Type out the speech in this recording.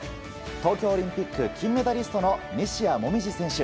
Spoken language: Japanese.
東京オリンピック金メダリストの西矢椛選手。